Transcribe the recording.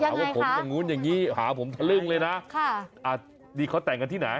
ไหนขอแต่งกันที่ไหนพักใต้